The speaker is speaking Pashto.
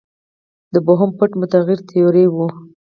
د بوهم پټ متغیر تیوري وه.